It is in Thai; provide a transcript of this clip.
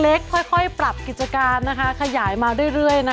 เล็กค่อยปรับกิจการขยายมาเรื่อย